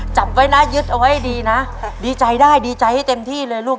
จับไว้นะยึดเอาไว้ดีนะดีใจได้ดีใจให้เต็มที่เลยลูก